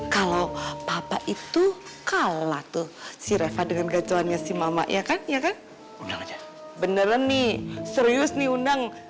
kalau papa itu kalah tuh si reva dengan gajolannya si mama ya kan ya kan beneran nih serius nih undang undang